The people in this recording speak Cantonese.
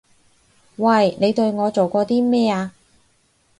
喂！你對我做過啲咩啊？